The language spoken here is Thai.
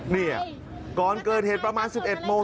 นี่ก่อนเกิดเหตุประมาณ๑๑โมง